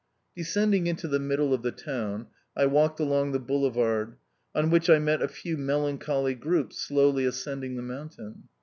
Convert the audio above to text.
Descending into the middle of the town, I walked along the boulevard, on which I met a few melancholy groups slowly ascending the mountain.